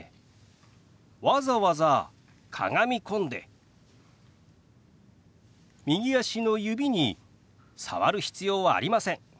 わざわざかがみ込んで右足の指に触る必要はありません。